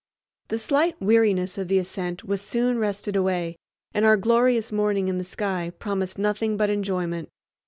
The slight weariness of the ascent was soon rested away, and our glorious morning in the sky promised nothing but enjoyment.